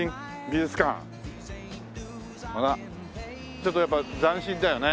ちょっとやっぱ斬新だよね。